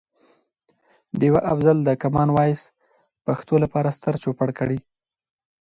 ډیوه افضل د کمان وایس پښتو لپاره ستر چوپړ کړي.